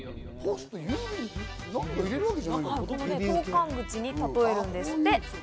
投函物に例えるんですって。